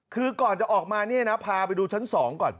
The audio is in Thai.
คือก่อนจะออกมาเนี่ยนะพาไปดูชั้น๒ก่อน